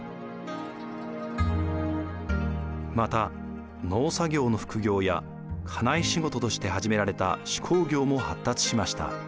また農作業の副業や家内仕事として始められた手工業も発達しました。